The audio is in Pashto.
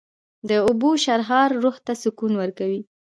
د اوبو شرهار روح ته سکون ورکوي